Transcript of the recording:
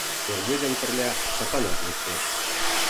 Сергей ден пырля Сапанат лектеш.